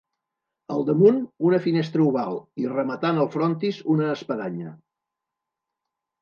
Al damunt, una finestra oval i, rematant el frontis, una espadanya.